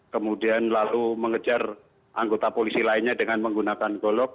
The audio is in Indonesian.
kemudian lalu mengejar anggota polisi lainnya dengan menggunakan golok